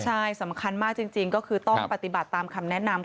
ใช่สำคัญมากจริงก็คือต้องปฏิบัติตามคำแนะนำ